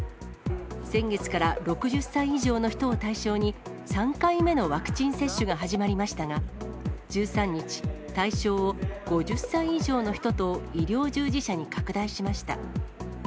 先月から６０歳以上の人を対象に３回目のワクチン接種が始まりましたが、１３日、対象を５０歳以上の人と医療従事者に拡大しました。